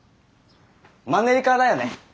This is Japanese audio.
マンネリ化だよね。